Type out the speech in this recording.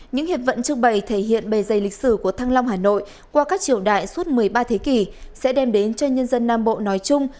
những hiệp vận trưng bày thể hiện bề dày lịch sử của thăng long hà nội qua các triều đại suốt một mươi ba thế kỷ sẽ đem đến cho nhân dân nam bộ nói chung